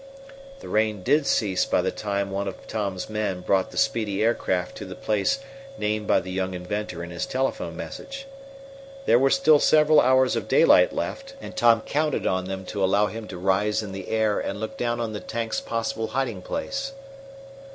The rain did cease by the time one of Tom's men brought the speedy aircraft to the place named by the young inventor in his telephone message. There were still several hours of daylight left, and Tom counted on them to allow him to rise in the air and look down on the tanks possible hiding place.